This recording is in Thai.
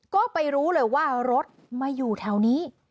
ก็ไปรู้เลยว่ารถมาอยู่แถวนี้